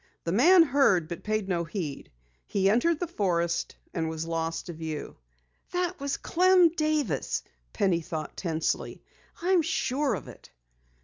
The man heard, but paid no heed. He entered the forest and was lost to view. "That was Clem Davis!" Penny thought tensely. "I'm sure of it!"